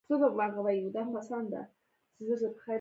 سرپل د تیلو څاګانې لري که نه؟